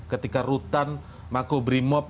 ketika rutan makobrimob